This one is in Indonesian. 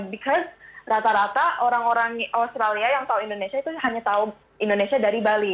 because rata rata orang orang australia yang tahu indonesia itu hanya tahu indonesia dari bali